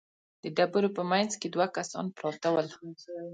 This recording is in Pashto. د ډبرو په مينځ کې دوه کسان پراته ول.